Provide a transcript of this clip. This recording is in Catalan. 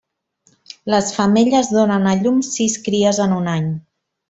Les femelles donen a llum sis cries en un any.